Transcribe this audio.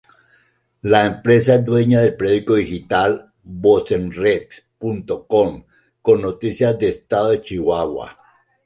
La empresa es dueña del periódico digital vozenred.com con noticias del Estado de Chihuahua.